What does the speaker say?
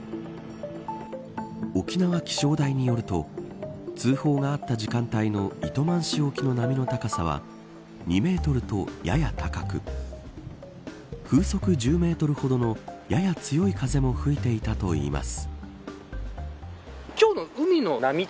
沖縄気象台によると通報があった時間帯の糸満市沖の波の高さは２メートルとやや高く風速１０メートルほどのやや強い風も吹いていたといいます。